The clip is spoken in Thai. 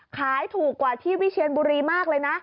ขายถูกกว่าที่วิเชียนบุรีมากเลยนะ